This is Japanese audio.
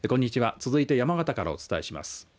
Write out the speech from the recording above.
続いて山形からお伝えします。